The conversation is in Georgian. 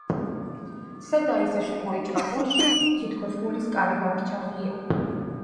სევდა ისე შემოიჭრა გულში, თითქოს გულის კარი დამრჩა ღია